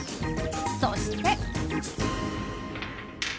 そして。